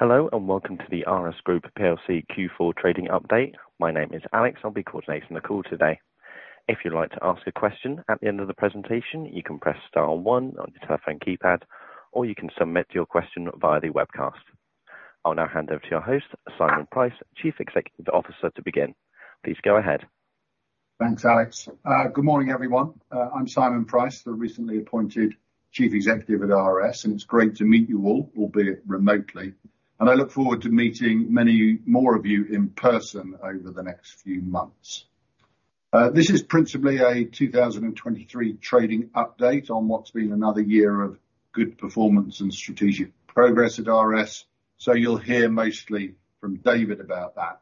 Hello, and welcome to the RS Group Plc Q4 Trading Update. My name is Alex, I'll be coordinating the call today. If you'd like to ask a question at the end of the presentation, you can press star one on your telephone keypad, or you can submit your question via the webcast. I'll now hand over to our host, Simon Pryce, Chief Executive Officer to begin. Please go ahead. Thanks, Alex. Good morning, everyone. I'm Simon Pryce, the recently appointed Chief Executive at RS. It's great to meet you all, albeit remotely. I look forward to meeting many more of you in person over the next few months. This is principally a 2023 trading update on what's been another year of good performance and strategic progress at RS. You'll hear mostly from David about that.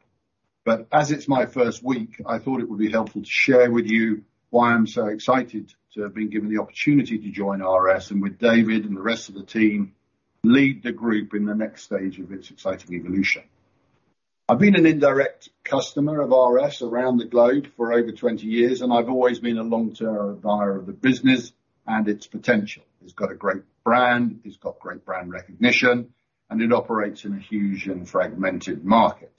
As it's my first week, I thought it would be helpful to share with you why I'm so excited to have been given the opportunity to join RS, and with David and the rest of the team, lead the group in the next stage of its exciting evolution. I've been an indirect customer of RS around the globe for over 20 years, and I've always been a long-term admirer of the business and its potential. It's got a great brand, it's got great brand recognition, and it operates in a huge and fragmented market.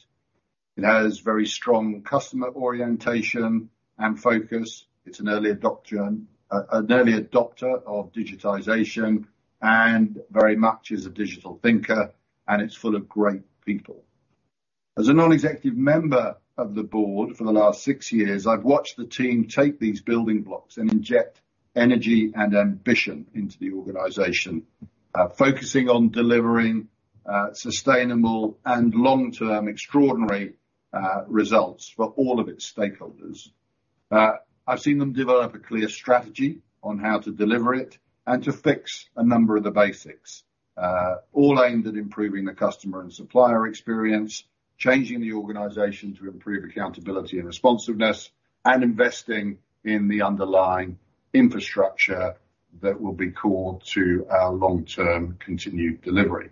It has very strong customer orientation and focus. It's an early adopter of digitization, and very much is a digital thinker, and it's full of great people. As a non-executive member of the board for the last six years, I've watched the team take these building blocks and inject energy and ambition into the organization, focusing on delivering, sustainable and long-term extraordinary, results for all of its stakeholders. I've seen them develop a clear strategy on how to deliver it and to fix a number of the basics, all aimed at improving the customer and supplier experience, changing the organization to improve accountability and responsiveness, and investing in the underlying infrastructure that will be core to our long-term continued delivery.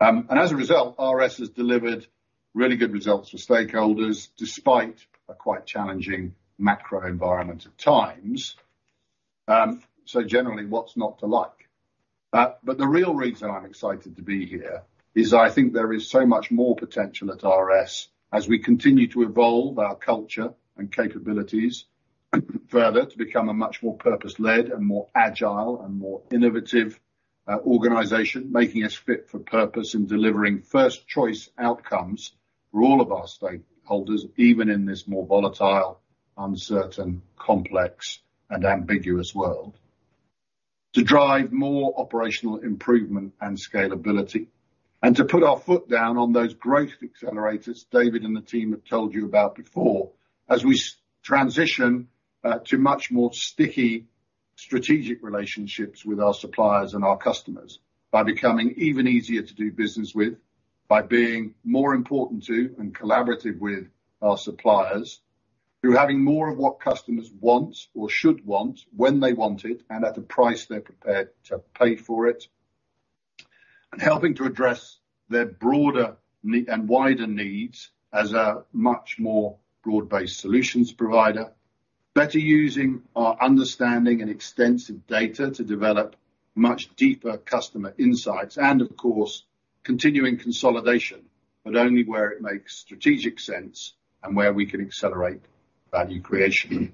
As a result, RS has delivered really good results for stakeholders despite a quite challenging macro environment at times. Generally, what's not to like? The real reason I'm excited to be here is I think there is so much more potential at RS as we continue to evolve our culture and capabilities further to become a much more purpose-led and more agile and more innovative organization, making us fit for purpose in delivering first choice outcomes for all of our stakeholders, even in this more volatile, uncertain, complex, and ambiguous world. To drive more operational improvement and scalability, and to put our foot down on those growth accelerators David and the team have told you about before, as we transition to much more sticky strategic relationships with our suppliers and our customers by becoming even easier to do business with, by being more important to and collaborative with our suppliers, through having more of what customers want or should want when they want it, and at the price they're prepared to pay for it, and helping to address their broader and wider needs as a much more broad-based solutions provider. Better using our understanding and extensive data to develop much deeper customer insights and of course continuing consolidation, but only where it makes strategic sense and where we can accelerate value creation.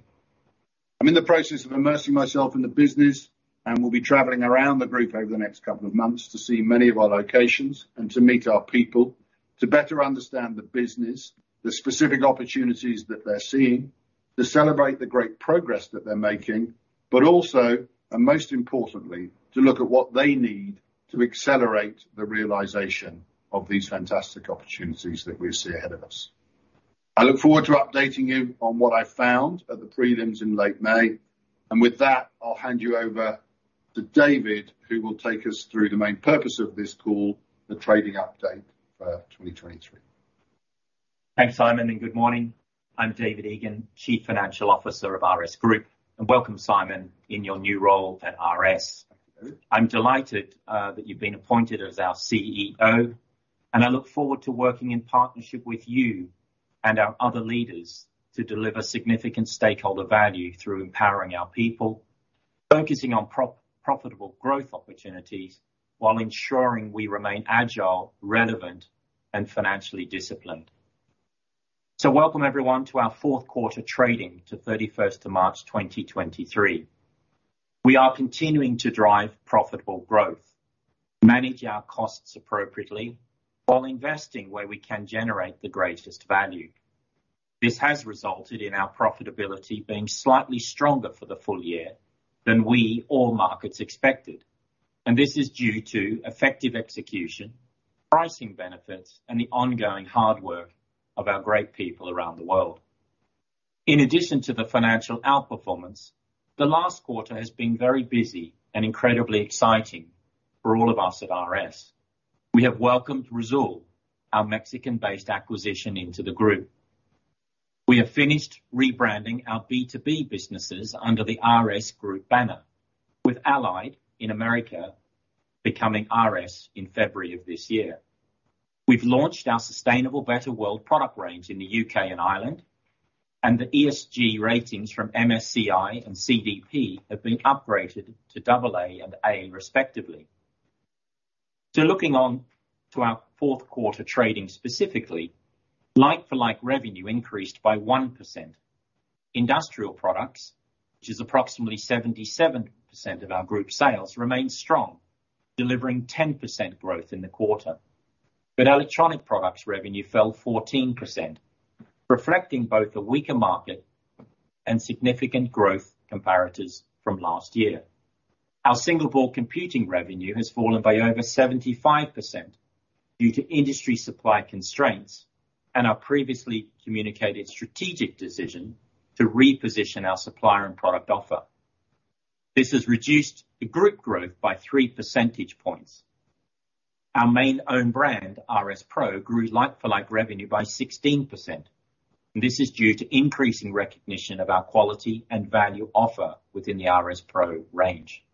I'm in the process of immersing myself in the business and will be traveling around the group over the next couple of months to see many of our locations and to meet our people to better understand the business, the specific opportunities that they're seeing, to celebrate the great progress that they're making, but also, and most importantly, to look at what they need to accelerate the realization of these fantastic opportunities that we see ahead of us. I look forward to updating you on what I found at the prelims in late May. With that, I'll hand you over to David, who will take us through the main purpose of this call, the trading update for 2023. Thanks, Simon. Good morning. I'm David Egan, Chief Financial Officer of RS Group. Welcome, Simon, in your new role at RS. Thank you. I'm delighted that you've been appointed as our CEO, and I look forward to working in partnership with you and our other leaders to deliver significant stakeholder value through empowering our people, focusing on pro-profitable growth opportunities while ensuring we remain agile, relevant, and financially disciplined. Welcome, everyone, to our fourth quarter trading to 31 March 2023. We are continuing to drive profitable growth, manage our costs appropriately while investing where we can generate the greatest value. This has resulted in our profitability being slightly stronger for the full year than we or markets expected. This is due to effective execution, pricing benefits, and the ongoing hard work of our great people around the world. In addition to the financial outperformance, the last quarter has been very busy and incredibly exciting for all of us at RS. We have welcomed Risoul, our Mexican-based acquisition into the group. We have finished rebranding our B2B businesses under the RS Group banner, with Allied in America becoming RS in February of this year. We've launched our Sustainable Better World product range in the U.K. and Ireland, the ESG ratings from MSCI and CDP have been upgraded to double A and A respectively. Looking on to our fourth quarter trading specifically, like-for-like revenue increased by 1%. Industrial products, which is approximately 77% of our group sales, remain strong, delivering 10% growth in the quarter. Electronic products revenue fell 14%, reflecting both a weaker market and significant growth comparators from last year. Our single board computing revenue has fallen by over 75% due to industry supply constraints and our previously communicated strategic decision to reposition our supplier and product offer. This has reduced the group growth by 3 percentage points. Our main own brand, RS PRO, grew like-for-like revenue by 16%, and this is due to increasing recognition of our quality and value offer within the RS PRO range.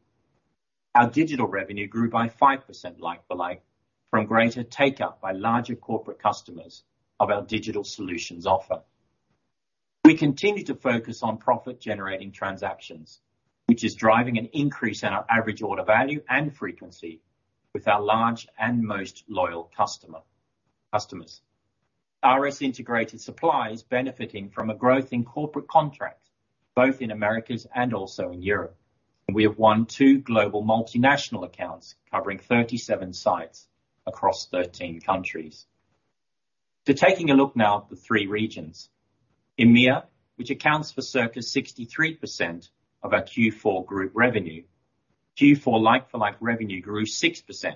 Our digital revenue grew by 5% like-for-like from greater take-up by larger corporate customers of our digital solutions offer. We continue to focus on profit-generating transactions, which is driving an increase in our average order value and frequency with our large and most loyal customer, customers. RS Integrated Supply is benefiting from a growth in corporate contracts both in Americas and also in Europe, and we have won two global multinational accounts covering 37 sites across 13 countries. To taking a look now at the three regions. EMEA, which accounts for circa 63% of our Q4 group revenue. Q4 like-for-like revenue grew 6%,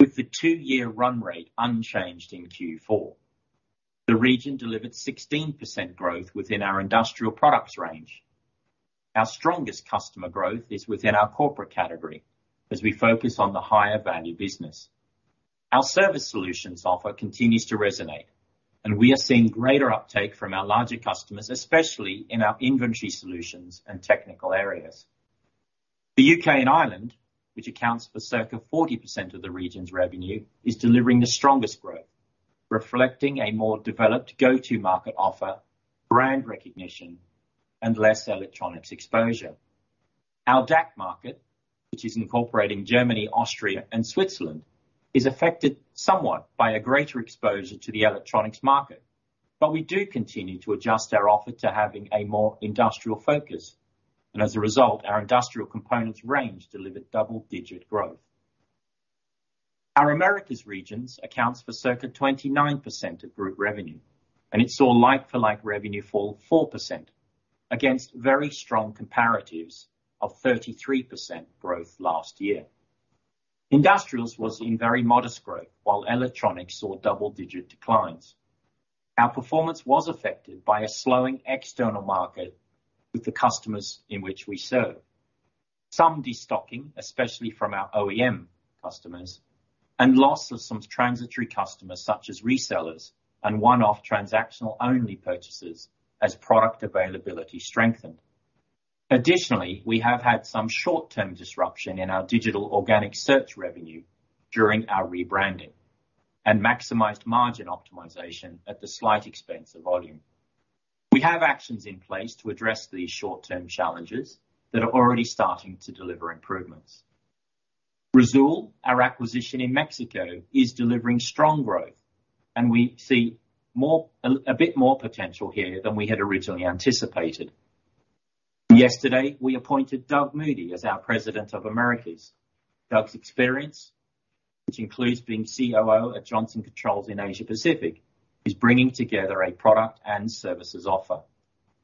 with the two-year run rate unchanged in Q4. The region delivered 16% growth within our industrial products range. Our strongest customer growth is within our corporate category as we focus on the higher value business. Our service solutions offer continues to resonate, and we are seeing greater uptake from our larger customers, especially in our inventory solutions and technical areas. The U.K. and Ireland, which accounts for circa 40% of the region's revenue, is delivering the strongest growth, reflecting a more developed go-to market offer, brand recognition, and less electronics exposure. Our DACH market, which is incorporating Germany, Austria, and Switzerland, is affected somewhat by a greater exposure to the electronics market. We do continue to adjust our offer to having a more industrial focus. As a result, our industrial components range delivered double-digit growth. Our Americas regions accounts for circa 29% of Group revenue. It saw like-for-like revenue fall 4% against very strong comparatives of 33% growth last year. Industrials was in very modest growth while electronics saw double-digit declines. Our performance was affected by a slowing external market with the customers in which we serve. Some destocking, especially from our OEM customers, and loss of some transitory customers such as resellers and one-off transactional only purchases as product availability strengthened. Additionally, we have had some short-term disruption in our digital organic search revenue during our rebranding and maximized margin optimization at the slight expense of volume. We have actions in place to address these short-term challenges that are already starting to deliver improvements. Risoul, our acquisition in Mexico, is delivering strong growth, and we see a bit more potential here than we had originally anticipated. Yesterday, we appointed Doug Moody as our President of Americas. Doug's experience, which includes being COO at Johnson Controls in Asia Pacific, is bringing together a product and services offer,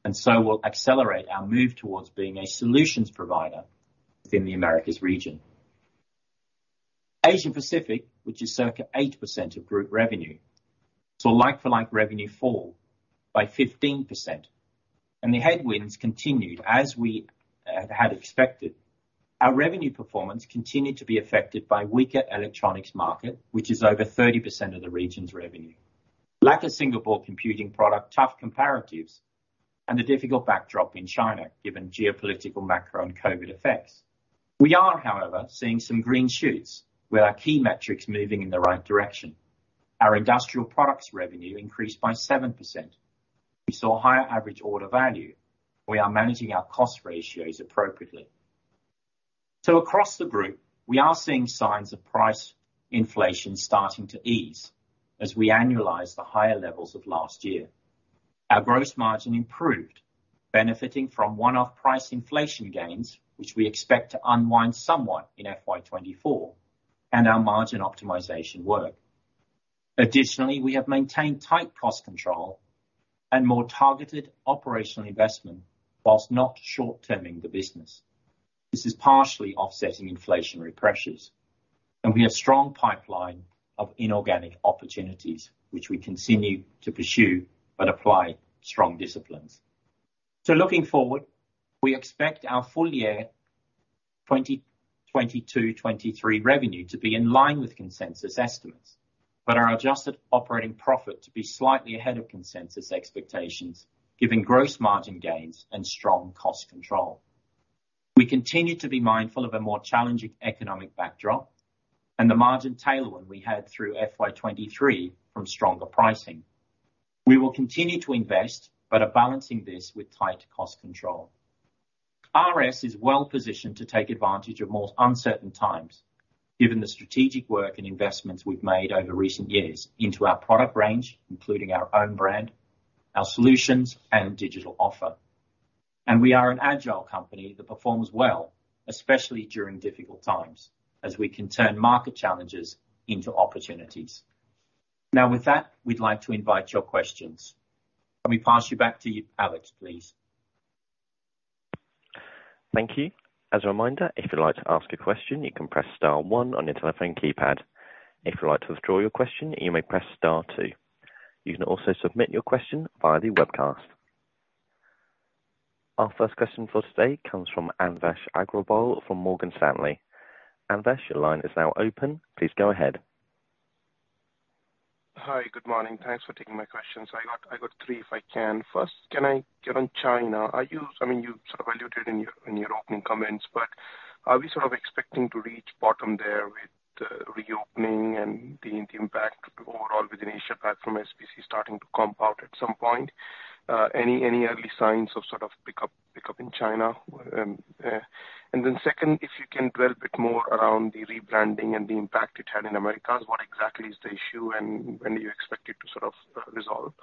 and so will accelerate our move towards being a solutions provider within the Americas region. Asia Pacific, which is circa 8% of group revenue, saw like-for-like revenue fall by 15%, and the headwinds continued as we had expected. Our revenue performance continued to be affected by weaker electronics market, which is over 30% of the region's revenue. Lack of single board computing product, tough comparatives, and a difficult backdrop in China, given geopolitical, macro, and COVID effects. We are, however, seeing some green shoots with our key metrics moving in the right direction. Our industrial products revenue increased by 7%. We saw higher average order value. We are managing our cost ratios appropriately. Across the group, we are seeing signs of price inflation starting to ease as we annualize the higher levels of last year. Our gross margin improved, benefiting from one-off price inflation gains, which we expect to unwind somewhat in FY 2024, and our margin optimization work. We have maintained tight cost control and more targeted operational investment whilst not short-term-ing the business. This is partially offsetting inflationary pressures, and we have strong pipeline of inorganic opportunities, which we continue to pursue but apply strong disciplines. Looking forward, we expect our full-year 2022/2023 revenue to be in line with consensus estimates, but our adjusted operating profit to be slightly ahead of consensus expectations, given gross margin gains and strong cost control. We continue to be mindful of a more challenging economic backdrop and the margin tailwind we had through FY 2023 from stronger pricing. We will continue to invest, are balancing this with tight cost control. RS is well-positioned to take advantage of more uncertain times given the strategic work and investments we've made over recent years into our product range, including our own brand, our solutions, and digital offer. We are an agile company that performs well, especially during difficult times, as we can turn market challenges into opportunities. Now with that, we'd like to invite your questions. Let me pass you back to you, Alex, please. Thank you. As a reminder, if you'd like to ask a question, you can press star one on your telephone keypad. If you'd like to withdraw your question, you may press star two. You can also submit your question via the webcast. Our first question for today comes from Anvesh Agrawal from Morgan Stanley. Anvesh, your line is now open. Please go ahead. Hi. Good morning. Thanks for taking my questions. I got three if I can. First, can I get on China? I mean, you sort of alluded in your opening comments, but are we sort of expecting to reach bottom there with the reopening and the impact overall within Asia platform SBC starting to compound at some point? Any early signs of sort of pick up in China? Second, if you can dwell a bit more around the rebranding and the impact it had in Americas, what exactly is the issue, and when do you expect it to sort of resolve?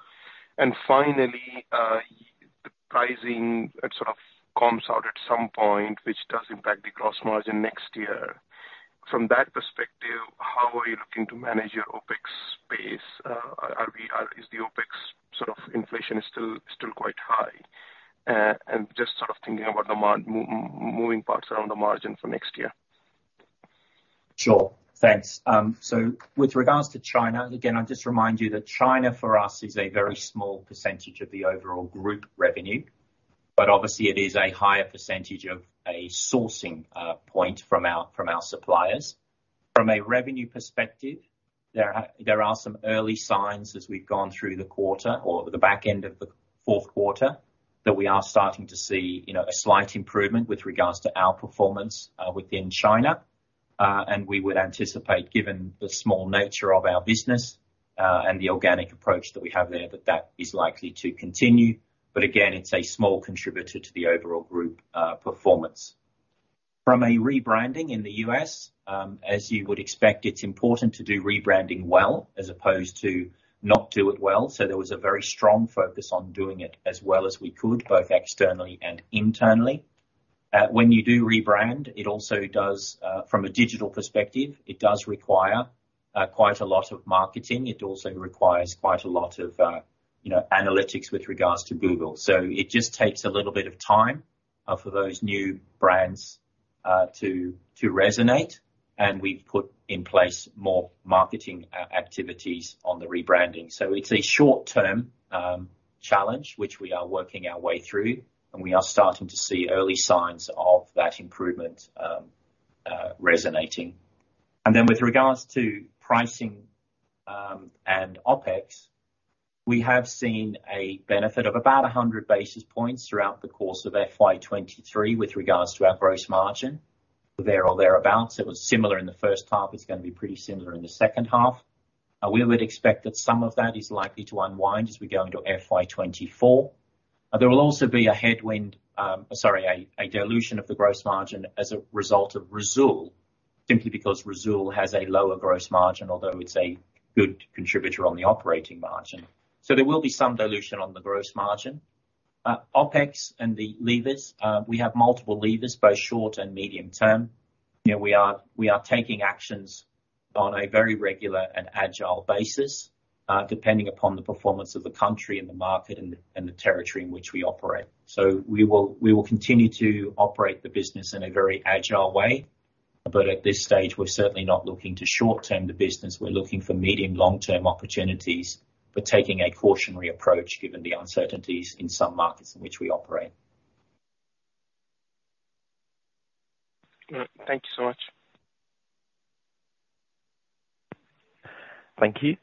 Finally, the pricing, it sort of comps out at some point, which does impact the gross margin next year. From that perspective, how are you looking to manage your OpEx space? Is the OpEx sort of inflation is still quite high? Just sort of thinking about the moving parts around the margin for next year. Sure. Thanks. With regards to China, again, I'd just remind you that China, for us, is a very small percentage of the overall group revenue. Obviously it is a higher percentage of a sourcing point from our, from our suppliers. From a revenue perspective, there are, there are some early signs as we've gone through the quarter or the back end of the fourth quarter that we are starting to see, you know, a slight improvement with regards to our performance within China. We would anticipate, given the small nature of our business, and the organic approach that we have there, that that is likely to continue. Again, it's a small contributor to the overall group performance. From a rebranding in the U.S., as you would expect, it's important to do rebranding well as opposed to not do it well, so there was a very strong focus on doing it as well as we could, both externally and internally. When you do rebrand, it also does, from a digital perspective, it does require quite a lot of marketing. It also requires quite a lot of, you know, analytics with regards to Google. It just takes a little bit of time for those new brands to resonate, and we've put in place more marketing activities on the rebranding. It's a short term challenge which we are working our way through, and we are starting to see early signs of that improvement resonating. With regards to pricing, and OpEx, we have seen a benefit of about 100 basis points throughout the course of FY 2023 with regards to our gross margin, there or thereabouts. It was similar in the first half. It's gonna be pretty similar in the second half. We would expect that some of that is likely to unwind as we go into FY 2024. There will also be a headwind, sorry, a dilution of the gross margin as a result of Risoul, simply because Risoul has a lower gross margin, although it's a good contributor on the operating margin. There will be some dilution on the gross margin. OpEx and the levers, we have multiple levers, both short and medium term. You know, we are taking actions on a very regular and agile basis, depending upon the performance of the country and the market and the territory in which we operate. We will continue to operate the business in a very agile way, but at this stage we're certainly not looking to short-term the business. We're looking for medium, long-term opportunities, but taking a cautionary approach given the uncertainties in some markets in which we operate. All right. Thank you so much. Thank you.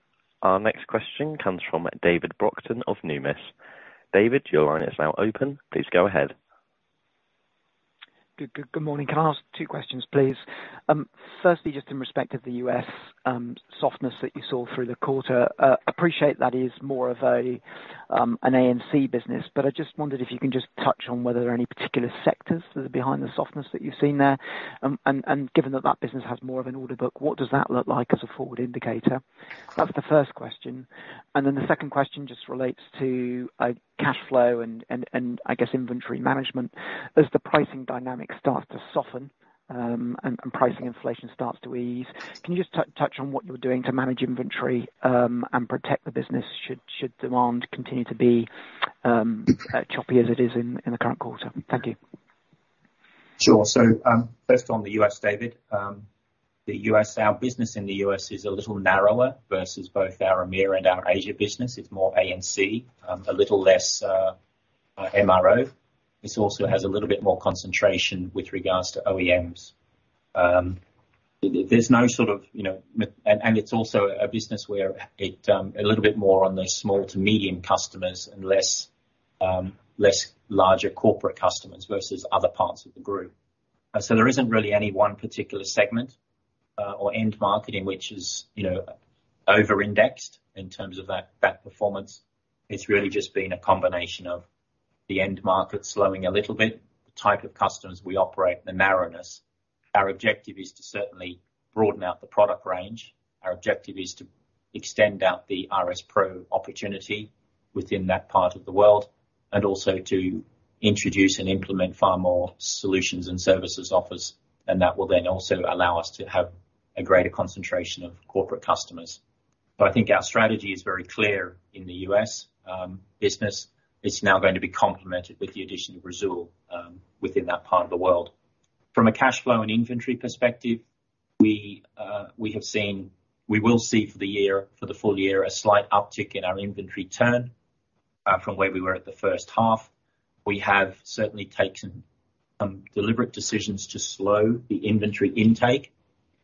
Our next question comes from David Brockton of Numis. David, your line is now open. Please go ahead. Good morning. Can I ask two questions, please? Firstly, just in respect of the U.S. softness that you saw through the quarter, appreciate that is more of an AMC business, but I just wondered if you can just touch on whether there are any particular sectors that are behind the softness that you've seen there. Given that that business has more of an order book, what does that look like as a forward indicator? That's the first question. The second question just relates to cash flow and I guess inventory management. As the pricing dynamic starts to soften, and pricing inflation starts to ease, can you just touch on what you're doing to manage inventory, and protect the business should demand continue to be choppy as it is in the current quarter? Thank you. Sure. First on the U.S., David, our business in the U.S. is a little narrower versus both our EMEA and our Asia business. It's more AMC, a little less MRO. This also has a little bit more concentration with regards to OEMs. There's no sort of, you know, it's also a business where it, a little bit more on the small to medium customers and less larger corporate customers versus other parts of the group. There isn't really any one particular segment or end market in which is, you know, over-indexed in terms of that performance. It's really just been a combination of the end market slowing a little bit, the type of customers we operate, the narrowness. Our objective is to certainly broaden out the product range. Our objective is to extend out the RS PRO opportunity within that part of the world. Also to introduce and implement far more solutions and services offers. That will then also allow us to have a greater concentration of corporate customers. I think our strategy is very clear in the U.S. business. It's now going to be complemented with the addition of Risoul within that part of the world. From a cash flow and inventory perspective, we will see for the year, for the full year, a slight uptick in our inventory turns from where we were at the first half. We have certainly taken some deliberate decisions to slow the inventory intake.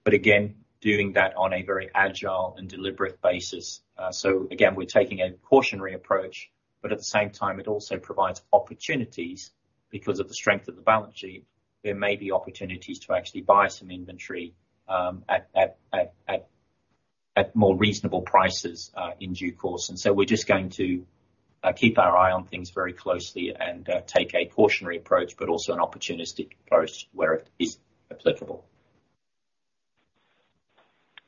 Again, doing that on a very agile and deliberate basis. Again, we're taking a cautionary approach, but at the same time it also provides opportunities. Because of the strength of the balance sheet, there may be opportunities to actually buy some inventory at more reasonable prices in due course. We're just going to keep our eye on things very closely and take a cautionary approach, but also an opportunistic approach where it is applicable.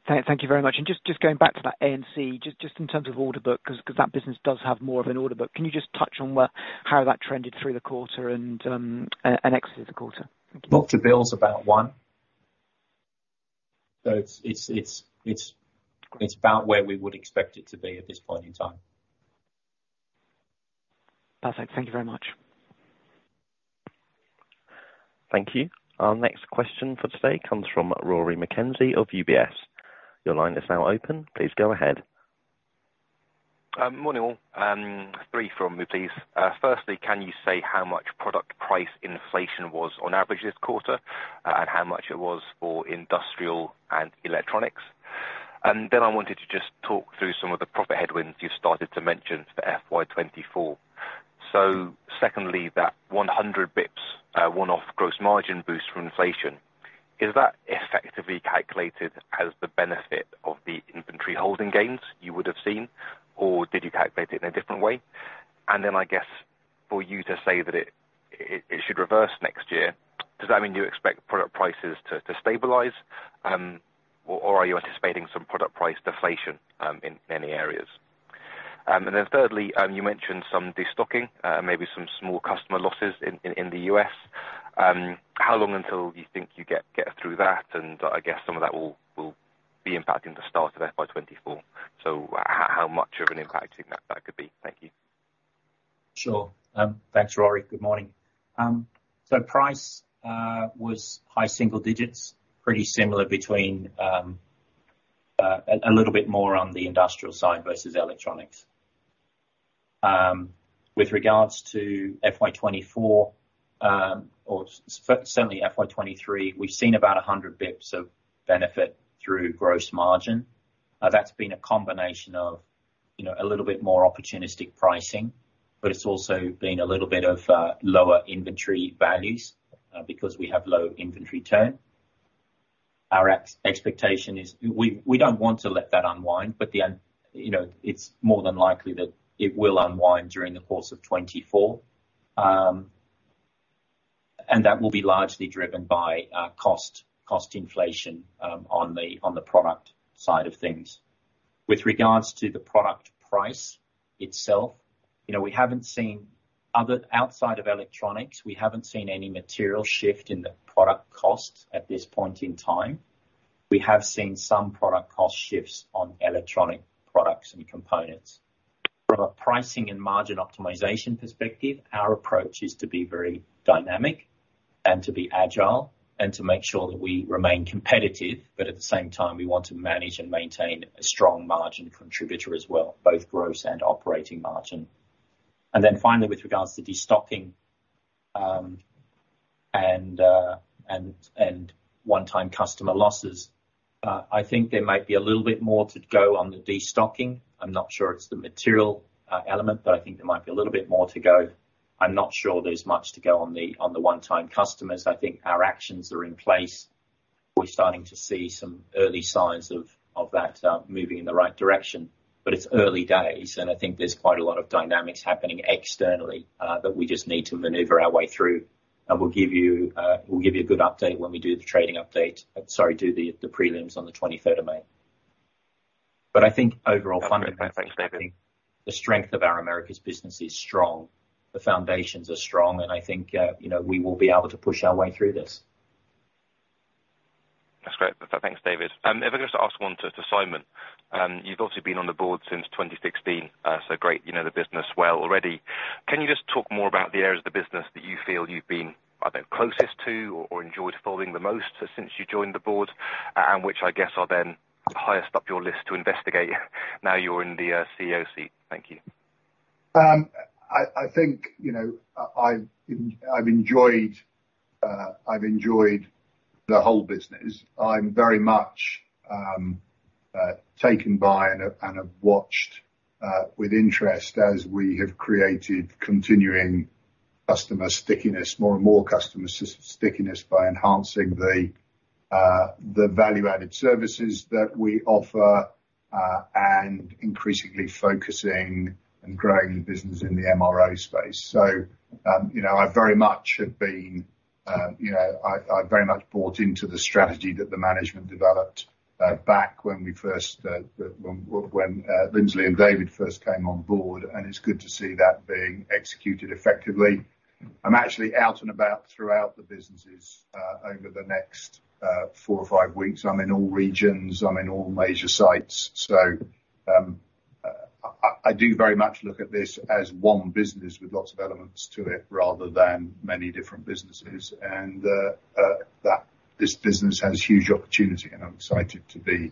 Thank you very much. Just going back to that AMC, just in terms of order book, 'cause that business does have more of an order book, can you just touch on how that trended through the quarter and exit the quarter? Book to bill's about one. It's about where we would expect it to be at this point in time. Perfect. Thank you very much. Thank you. Our next question for today comes from Rory McKenzie of UBS. Your line is now open. Please go ahead. Morning all. Three from me, please. Firstly, can you say how much product price inflation was on average this quarter, and how much it was for industrial and electronics? I wanted to just talk through some of the profit headwinds you've started to mention for FY 2024. Secondly, that 100 basis points one-off gross margin boost from inflation, is that effectively calculated as the benefit of the inventory holding gains you would have seen, or did you calculate it in a different way? I guess for you to say that it should reverse next year, does that mean you expect product prices to stabilize, or are you anticipating some product price deflation in many areas? Thirdly, you mentioned some destocking, maybe some small customer losses in the U.S. How long until you think you get through that? I guess some of that will be impacting the start of FY 2024. How much of an impact do you think that could be? Thank you. Sure. Thanks, Rory. Good morning. Price was high single digits, pretty similar between a little bit more on the industrial side versus electronics. With regards to FY 2024, or certainly FY 2023, we've seen about 100 basis points of benefit through gross margin. That's been a combination of, you know, a little bit more opportunistic pricing, but it's also been a little bit of lower inventory values, because we have low inventory turns. Our expectation is we don't want to let that unwind, but it's more than likely that it will unwind during the course of 2024. That will be largely driven by cost inflation on the product side of things. With regards to the product price itself, you know, outside of electronics, we haven't seen any material shift in the product cost at this point in time. We have seen some product cost shifts on electronic products and components. From a pricing and margin optimization perspective, our approach is to be very dynamic and to be agile, and to make sure that we remain competitive. At the same time, we want to manage and maintain a strong margin contributor as well, both gross and operating margin. Finally, with regards to destocking, and one-time customer losses, I think there might be a little bit more to go on the destocking. I'm not sure it's the material element, but I think there might be a little bit more to go. I'm not sure there's much to go on the one-time customers. I think our actions are in place. We're starting to see some early signs of that moving in the right direction. It's early days, and I think there's quite a lot of dynamics happening externally that we just need to maneuver our way through. We'll give you, we'll give you a good update when we do the trading update. Sorry, do the prelims on the 23 May. I think overall. Okay. No, thanks, David the strength of our Americas business is strong. The foundations are strong, and I think, you know, we will be able to push our way through this. That's great. Thanks, David. If I could just ask one to Simon. You've obviously been on the board since 2016, so great, you know the business well already. Can you just talk more about the areas of the business that you feel you've been, I don't know, closest to or enjoyed following the most since you joined the board, and which I guess are then highest up your list to investigate now you're in the CEO seat. Thank you. I think, you know, I've, I've enjoyed, I've enjoyed the whole business. I'm very much taken by and have watched with interest as we have created continuing customer stickiness, more and more customer stickiness by enhancing the value-added services that we offer, and increasingly focusing and growing the business in the MRO space. You know, I very much have been, you know, I very much bought into the strategy that the management developed, back when we first, when Lindsley and David first came on board, and it's good to see that being executed effectively. I'm actually out and about throughout the businesses, over the next four or five weeks. I'm in all regions, I'm in all major sites. I do very much look at this as one business with lots of elements to it, rather than many different businesses. That this business has huge opportunity, and I'm excited to be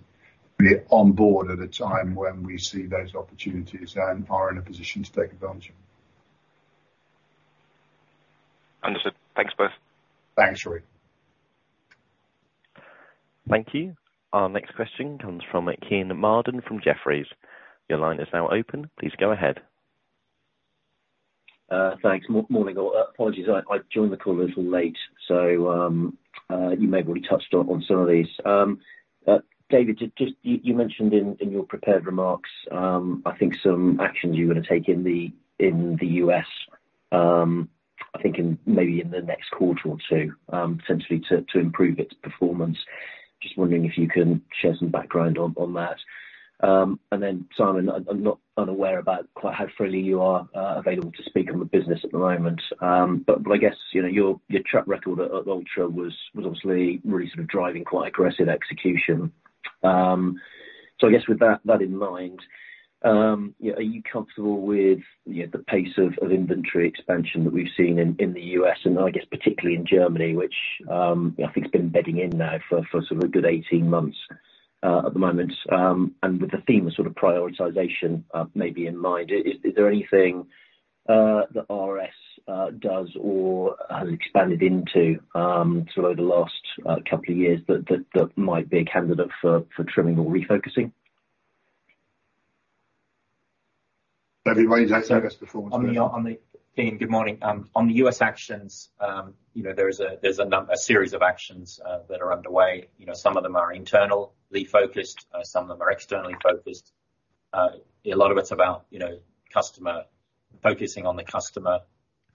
on board at a time when we see those opportunities and are in a position to take advantage. Understood. Thanks both. Thanks, Rory. Thank you. Our next question comes from Kean Marden from Jefferies. Your line is now open. Please go ahead. Thanks. Morning all. Apologies, I joined the call a little late, so you may have already touched on some of these. David, just you mentioned in your prepared remarks, I think some actions you're gonna take in the U.S., I think in maybe in the next quarter or two, essentially to improve its performance. Just wondering if you can share some background on that. Then Simon, I'm not unaware about quite how freely you are available to speak on the business at the moment. But I guess, you know, your track record at Ultra was obviously really sort of driving quite aggressive execution. I guess with that in mind, you know, are you comfortable with, you know, the pace of inventory expansion that we've seen in the U.S. and I guess particularly in Germany, which, you know, I think it's been bedding in now for sort of a good 18 months at the moment. With the theme of sort of prioritization, maybe in mind, is there anything that RS does or has expanded into, sort of over the last couple of years that might be a candidate for trimming or refocusing? David, why don't you take this performance first. Kean, good morning. On the U.S. actions, you know, there's a series of actions that are underway. You know, some of them are internally focused, some of them are externally focused. A lot of it's about, you know, customer, focusing on the customer,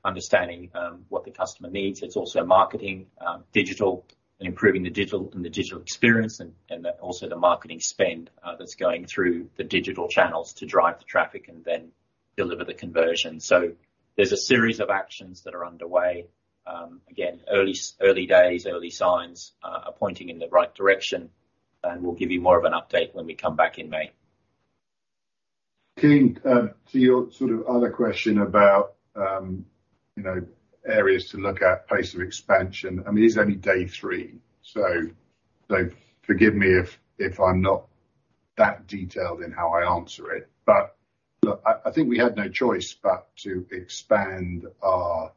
understanding what the customer needs. It's also marketing, digital and improving the digital, and the digital experience and the, also the marketing spend that's going through the digital channels to drive the traffic and then deliver the conversion. There's a series of actions that are underway. Again, early days, early signs are pointing in the right direction, and we'll give you more of an update when we come back in May. Kean, to your sort of other question about, you know, areas to look at, pace of expansion. I mean, this is only day three, so forgive me if I'm not that detailed in how I answer it. Look, I think we had no choice but to expand our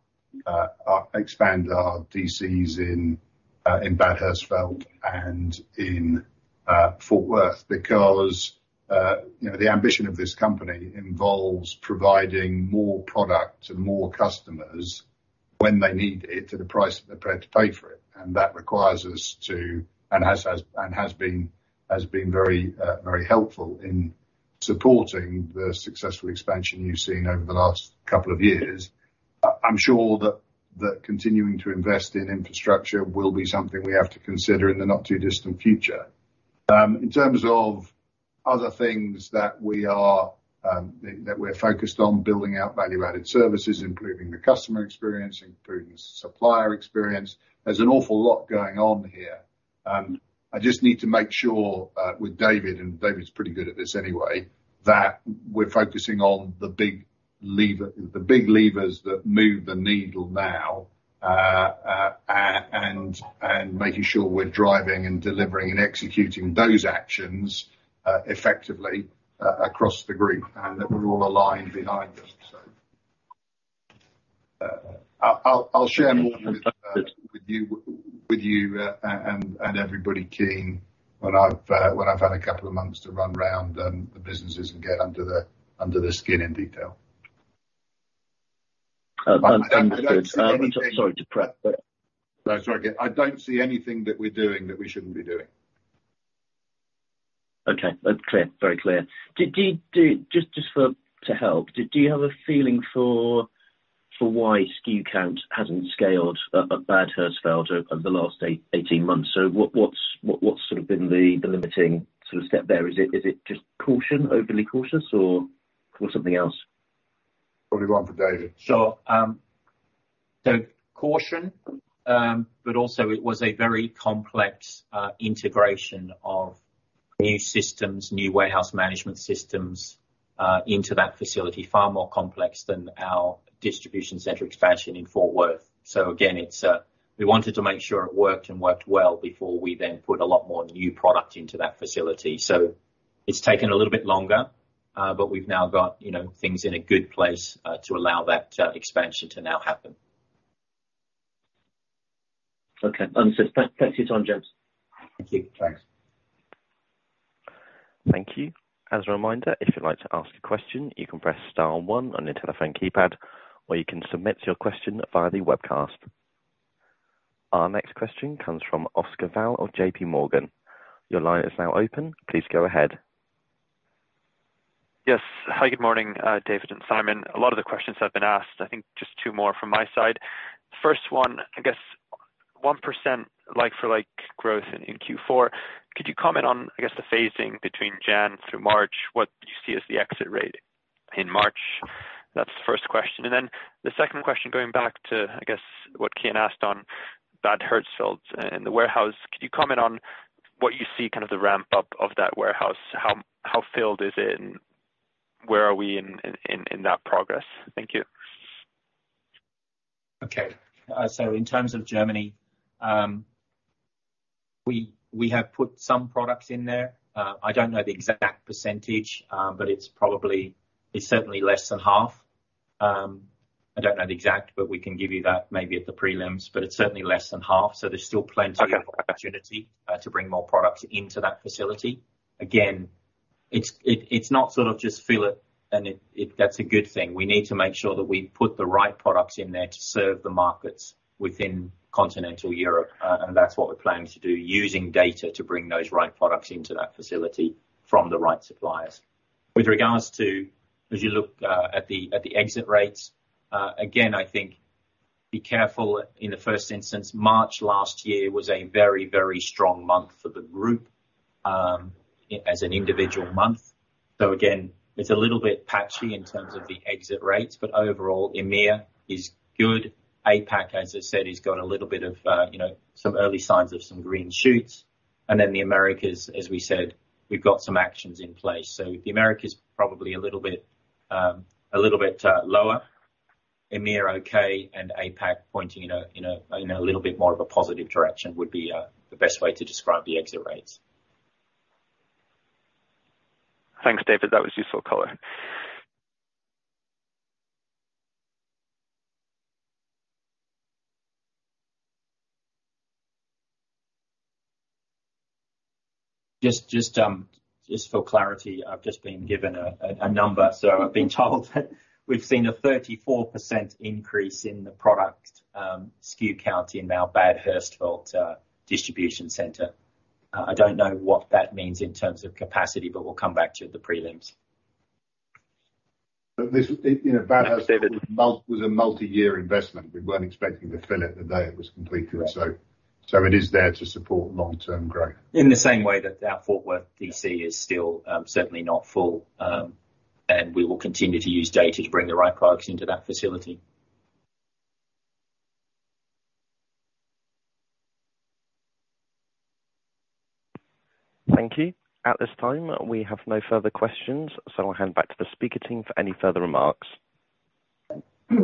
DCs in Bad Hersfeld and in Fort Worth because, you know, the ambition of this company involves providing more product to more customers when they need it at a price that they're prepared to pay for it. That requires us to, and has been very helpful in supporting the successful expansion you've seen over the last couple of years. I'm sure that continuing to invest in infrastructure will be something we have to consider in the not too distant future. In terms of other things that we are, that we're focused on, building out value-added services, improving the customer experience, improving the supplier experience. There's an awful lot going on here, and I just need to make sure, with David, and David's pretty good at this anyway, that we're focusing on the big lever, the big levers that move the needle now. And making sure we're driving and delivering and executing those actions effectively across the group, and that we're all aligned behind this. I'll share more with you, and everybody, Kean, when I've had a couple of months to run around the businesses and get under their skin in detail. That's understood. I don't see anything. Sorry to prep. No, it's okay. I don't see anything that we're doing that we shouldn't be doing. Okay. That's clear. Very clear. Do you just for, to help, do you have a feeling for why SKU count hasn't scaled at Bad Hersfeld over the last 18 months? What's sort of been the limiting sort of step there? Is it just caution, overly cautious or something else? Probably one for David. Sure. Caution, it was a very complex integration of new systems, new warehouse management systems into that facility. Far more complex than our distribution center expansion in Fort Worth. We wanted to make sure it worked and worked well before we then put a lot more new product into that facility. It's taken a little bit longer, but we've now got, you know, things in a good place to allow that expansion to now happen. Okay. thanks for your time, gents. Thank you. Thanks. Thank you. As a reminder, if you'd like to ask a question, you can press star one on your telephone keypad, or you can submit your question via the webcast. Our next question comes from Oscar Val-Mas of JPMorgan. Your line is now open. Please go ahead. Yes. Hi, good morning, David and Simon. A lot of the questions have been asked. I think just two more from my side. First one, I guess 1% like-for-like growth in Q4. Could you comment on, I guess, the phasing between Jan through March, what you see as the exit rate in March? That's the first question. The second question, going back to, I guess, what Kean asked on Bad Hersfeld and the warehouse. Could you comment on what you see kind of the ramp-up of that warehouse? How filled is it, and where are we in that progress? Thank you. Okay. In terms of Germany, we have put some products in there. I don't know the exact percentage, but It's certainly less than half. I don't know the exact, but we can give you that maybe at the prelims, but it's certainly less than half. There's still plenty of opportunity-. Okay. to bring more products into that facility. It's not sort of just fill it and that's a good thing. We need to make sure that we put the right products in there to serve the markets within continental Europe. That's what we're planning to do, using data to bring those right products into that facility from the right suppliers. With regards to, as you look at the exit rates, I think be careful in the first instance. March last year was a very, very strong month for the group as an individual month. It's a little bit patchy in terms of the exit rates, but overall, EMEA is good. APAC, as I said, has got a little bit of, you know, some early signs of some green shoots. The Americas, as we said, we've got some actions in place. The Americas probably a little bit lower, EMEA okay, and APAC pointing in a little bit more of a positive direction would be the best way to describe the exit rates. Thanks, David. That was useful color. Just for clarity, I've just been given a number. I've been told we've seen a 34% increase in the product, SKU count in our Bad Hersfeld, distribution center. I don't know what that means in terms of capacity. We'll come back to the prelims. This, you know, Bad Hersfeld- David- was a multiyear investment. We weren't expecting to fill it the day it was completed. Right. It is there to support long-term growth. In the same way that our Fort Worth DC is still certainly not full. We will continue to use data to bring the right products into that facility. Thank you. At this time, we have no further questions, so I'll hand back to the speaker team for any further remarks.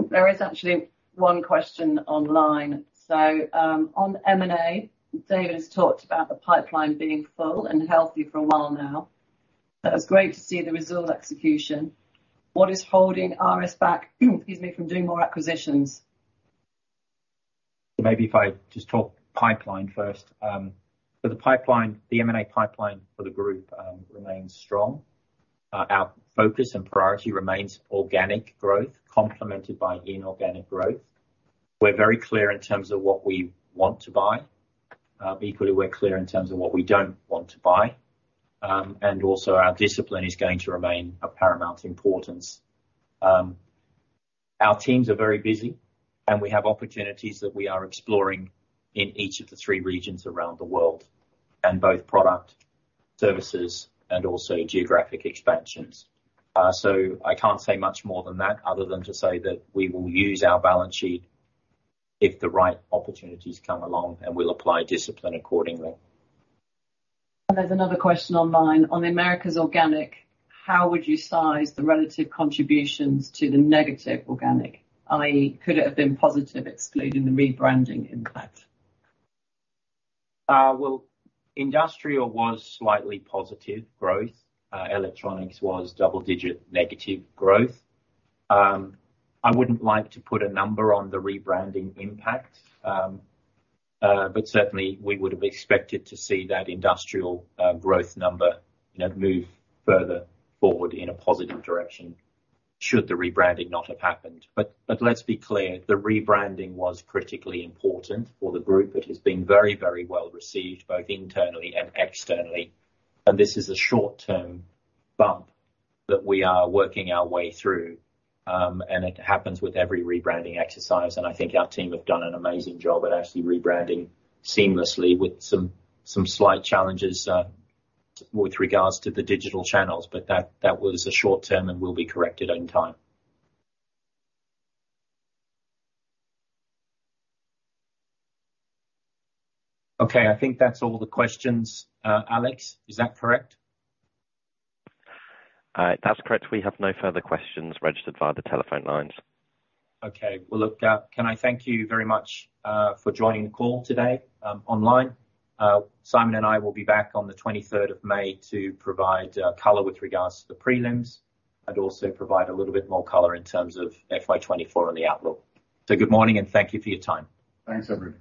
There is actually one question online. On M&A, David's talked about the pipeline being full and healthy for a while now. It's great to see the resilient execution. What is holding RS back, excuse me, from doing more acquisitions? Maybe if I just talk pipeline first. For the pipeline, the M&A pipeline for the group remains strong. Our focus and priority remains organic growth, complemented by inorganic growth. We're very clear in terms of what we want to buy. Equally, we're clear in terms of what we don't want to buy. Also, our discipline is going to remain of paramount importance. Our teams are very busy, and we have opportunities that we are exploring in each of the three regions around the world, and both product, services, and also geographic expansions. I can't say much more than that, other than to say that we will use our balance sheet if the right opportunities come along, and we'll apply discipline accordingly. There's another question online: on the Americas organic, how would you size the relative contributions to the negative organic? I.e., could it have been positive excluding the rebranding impact? Well, industrial was slightly positive growth. Electronics was double-digit negative growth. I wouldn't like to put a number on the rebranding impact. Certainly we would have expected to see that industrial growth number, you know, move further forward in a positive direction should the rebranding not have happened. Let's be clear, the rebranding was critically important for the group. It has been very, very well received, both internally and externally. This is a short-term bump that we are working our way through. It happens with every rebranding exercise, and I think our team have done an amazing job at actually rebranding seamlessly with some slight challenges with regards to the digital channels. That was a short term and will be corrected in time. Okay, I think that's all the questions, Alex. Is that correct? That's correct. We have no further questions registered via the telephone lines. Okay. Well, look, can I thank you very much for joining the call today, online. Simon and I will be back on the 23 May to provide, color with regards to the prelims and also provide a little bit more color in terms of FY 2024 and the outlook. Good morning and thank you for your time. Thanks, everyone.